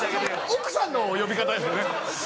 奥さんの呼び方ですよね。